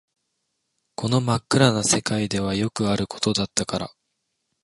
この真っ暗な世界ではよくあることだったから